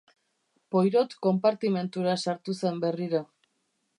Poirot konpartimentura sartu zen berriro.